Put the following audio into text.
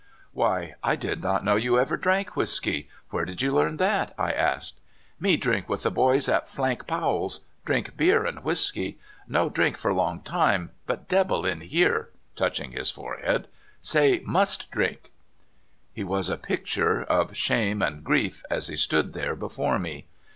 " Why, I did not know you ever drank whisky; where did you learn that? " I asked. ''Me drink wdth the boys at Flank Powell's — drink beer and whisky. No drink for long time, but debbil in here [touching his forehead] say 7nust drink." He was a picture of shame and grief as he stood there before me.